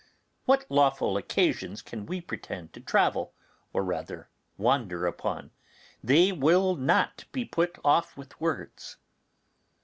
What lawful occasions can we pretend to travel, or rather wander upon? They will not be put off with words.